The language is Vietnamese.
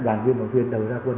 đoàn viên và viên đầu ra quân